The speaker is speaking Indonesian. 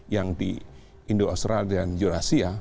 yang di indo australia dan eurasia